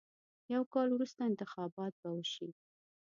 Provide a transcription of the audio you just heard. یو کال وروسته انتخابات به وشي.